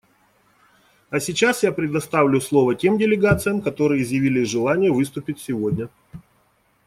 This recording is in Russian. А сейчас я предоставлю слово тем делегациям, которые изъявили желание выступить сегодня.